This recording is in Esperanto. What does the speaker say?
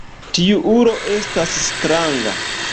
Tiu ulo estas stranga.